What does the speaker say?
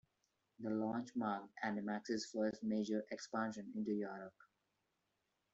The launch marked Animax's first major expansion into Europe.